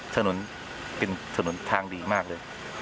ถนนเป็นถนนทางดีมากเลย